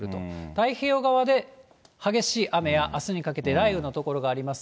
太平洋側で激しい雨や、あすにかけて雷雨の所があります。